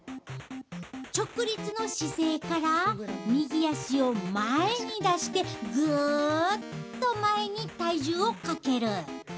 直立の姿勢から右足を前に出してぐっと前に体重をかける。